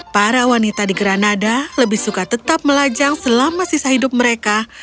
para wanita di granada lebih suka tetap melajang selama sisa hidup mereka